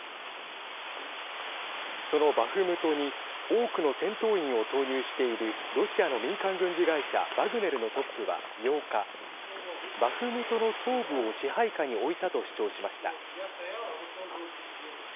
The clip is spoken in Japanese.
そのバフムトに多くの戦闘員を投入しているロシアの民間軍事会社ワグネルのトップは８日バフムトの東部を支配下に置いたと主張しました。